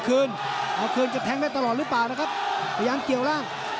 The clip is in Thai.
กำลังจับพยายามเกี่ยวล่าง